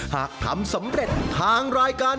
หากทำสำเร็จทางรายการ